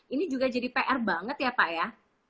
ini juga jadi pr banget ya pak ya